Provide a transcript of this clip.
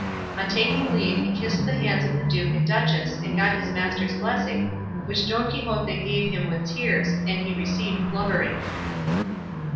On taking leave he kissed the hands of the duke and duchess and got his master's blessing, which Don Quixote gave him with tears, and he received blubbering.